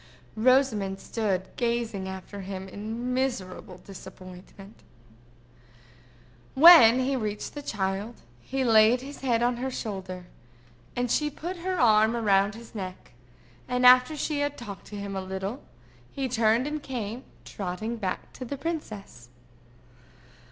Rosamond stood gazing after him in miserable disappointment. When he reached the child, he laid his head on her shoulder, and she put her arm up round his neck; and after she had talked to him a little, he turned and came trotting back to the princess.